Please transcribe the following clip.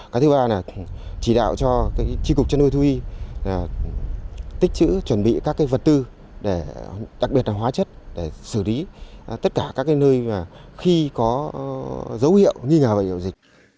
cái thứ ba là chỉ đạo cho tri cục chân ui thu y tích chữ chuẩn bị các vật tư đặc biệt là hóa chất để xử lý tất cả các nơi khi có dấu hiệu nghi ngờ về dịch